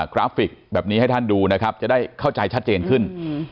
กราฟิกแบบนี้ให้ท่านดูนะครับจะได้เข้าใจชัดเจนขึ้น